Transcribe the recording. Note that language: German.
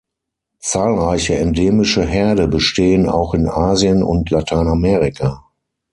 Zahlreiche endemische Herde bestehen auch in Asien und Lateinamerika.